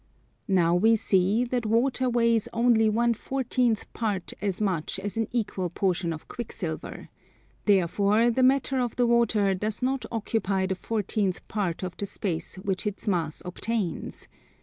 Now we see that water weighs only one fourteenth part as much as an equal portion of quicksilver: therefore the matter of the water does not occupy the fourteenth part of the space which its mass obtains.